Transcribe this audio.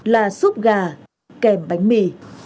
là súp gà kèm bánh mì